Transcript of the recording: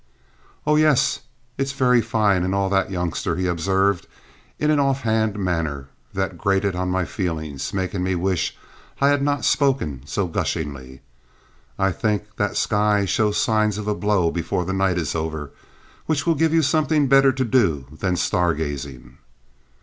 "Oh, yes, it's very fine and all that, youngster," he observed in an off hand manner that grated on my feelings, making me wish I had not spoken so gushingly. "I think that sky shows signs of a blow before the night is over, which will give you something better to do than star gazing!"